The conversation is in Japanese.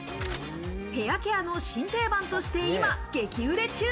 ヘアケアの新定番として今、激売れ中。